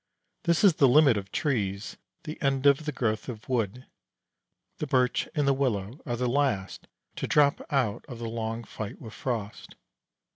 This is the limit of trees, the end of the growth of wood. The birch and willow are the last to drop out of the long fight with frost.